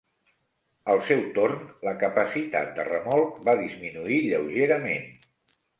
Al seu torn, la capacitat de remolc va disminuir lleugerament.